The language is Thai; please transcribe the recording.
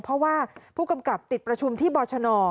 เพราะว่าผู้กำกับติดประชุมที่บชน